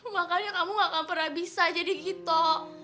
makanya kamu gak akan pernah bisa jadi gitu